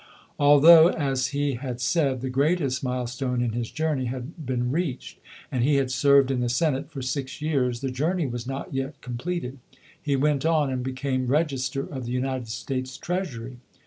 Although, as he had said, the greatest mile stone in his journey had been reached, and he had BLANCHE KELSO BRUCE [ 123 served in the Senate for six years, the journey was not yet completed. He went on and became Reg ister of the United States Treasury.